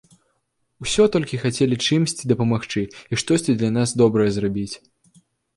Усё толькі хацелі чымсьці дапамагчы і штосьці для нас добрае зрабіць.